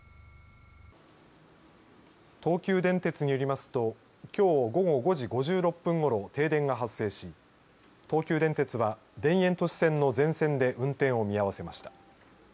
東急電鉄によりますときょう午後５時５６分ごろ停電が発生し東急電鉄は田園都市線の全線で運転を見合わせました。